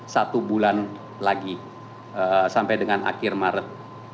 satu bulan lagi sampai dengan akhir maret